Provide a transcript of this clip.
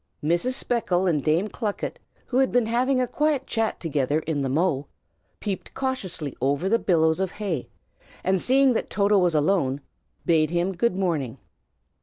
Mrs. Speckle and Dame Clucket, who had been having a quiet chat together in the mow, peeped cautiously over the billows of hay, and seeing that Toto was alone, bade him good morning.